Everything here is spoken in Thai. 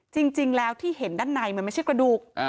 จริงแล้วที่เห็นด้านในมันไม่ใช่กระดูก